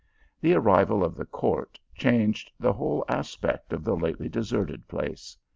The arrival of the court changed the whole aspect of the lately deserted place.